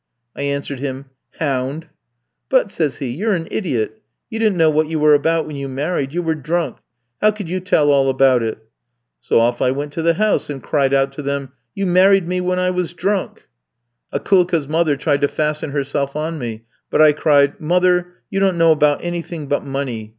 "I answered him, 'Hound!' "'But,' says he, 'you're an idiot! You didn't know what you were about when you married you were drunk. How could you tell all about it?' "So off I went to the house, and cried out to them 'You married me when I was drunk.' "Akoulka's mother tried to fasten herself on me; but I cried, 'Mother, you don't know about anything but money.